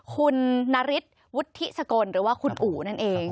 คุณนาริสวุฒิสกลหรือว่าคุณอู๋นั่นเอง